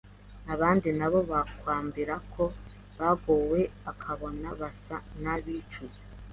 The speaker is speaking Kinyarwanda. abandi nabo bakambwira ko bagowe ukabona basa n’abicuza.